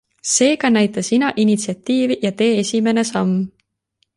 Seega näita sina initsiatiivi ja tee esimene samm.